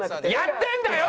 やってんだよ